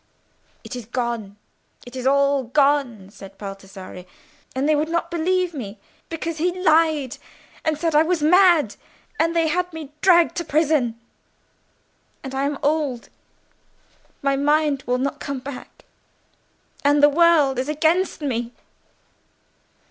"It is gone!—it is all gone!" said Baldassarre; "and they would not believe me, because he lied, and said I was mad; and they had me dragged to prison. And I am old—my mind will not come back. And the world is against me."